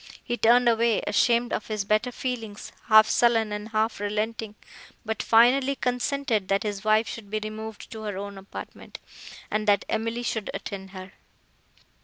He turned away, ashamed of his better feelings, half sullen and half relenting; but finally consented, that his wife should be removed to her own apartment, and that Emily should attend her.